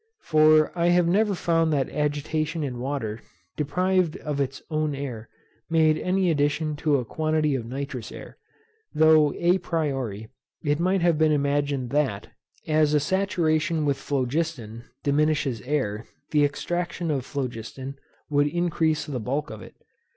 For I have never found that agitation in water, deprived of its own air, made any addition to a quantity of noxious air; though, a priori, it might have been imagined that, as a saturation with phlogiston diminishes air, the extraction of phlogiston would increase the bulk of it.